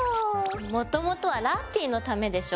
もともとはラッピィのためでしょ。